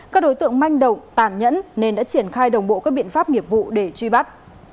các đối tượng manh động tản nhẫn nên đã triển khai đồng bộ các biện pháp nghiệp vụ để truy bắt